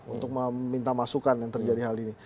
untuk meminta masukan yang terjadi hal ini